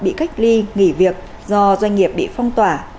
bị cách ly nghỉ việc do doanh nghiệp bị phong tỏa